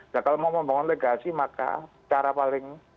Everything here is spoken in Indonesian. nah kalau mau membangun legasi maka cara paling